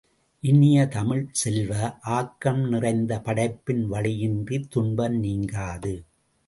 இனிய தமிழ்ச் செல்வ, ஆக்கம் நிறைந்த படைப்பின் வழியின்றித் துன்பம் நீங்காது.